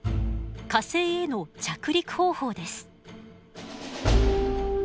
火星への着陸方法です。